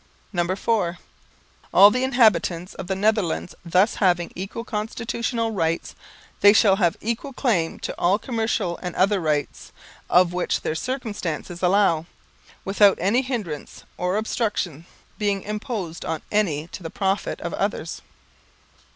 _ (4) _All the inhabitants of the Netherlands thus having equal constitutional rights, they shall have equal claim to all commercial and other rights, of which their circumstances allow, without any hindrance or obstruction being imposed on any to the profit of others.